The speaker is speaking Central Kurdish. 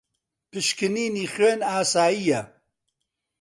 پشکنینی خوێن ئاسایییە.